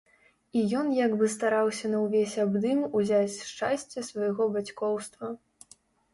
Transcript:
І ён як бы стараўся на ўвесь абдым узяць шчасце свайго бацькоўства.